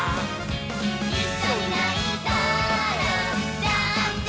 「いっしょにないたらジャンプ！